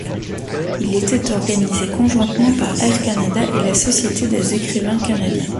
Il était organisé conjointement par Air Canada et la Société des écrivains canadiens.